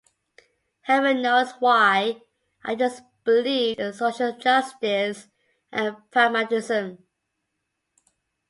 Heaven knows why, I just believed in social justice and pragmatism.